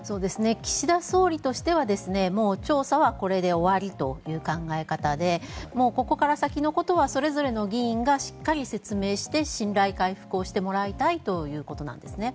岸田総理としてはもう調査はこれで終わりという考え方でここから先のことはそれぞれの議員がしっかり説明して信頼回復をしてもらいたいということなんです。